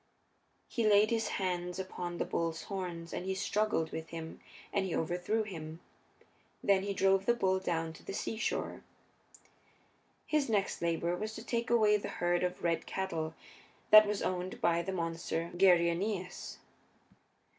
He laid his hands upon the bull's horns and he struggled with him and he overthrew him. Then he drove the bull down to the seashore. His next labor was to take away the herd of red cattle that was owned by the monster Geryoneus.